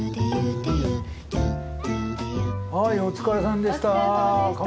はいお疲れさんでした。